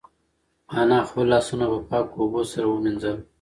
انا خپل لاسونه په پاکو اوبو سره ومینځل.